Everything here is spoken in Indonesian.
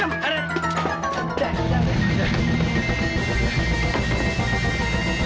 kok ini bau banget sih